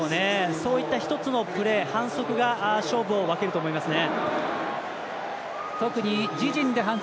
そういった１つのプレー、反則が勝負を分けると思いますね。